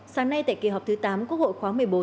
sáng nay tại kỳ họp thứ tám quốc hội khóa một mươi bốn